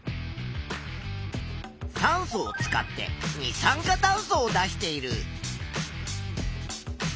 酸素を使って二酸化炭素を出している。